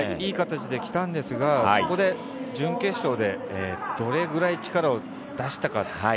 いい形で来たんですが準決勝でどれくらい力を出したか。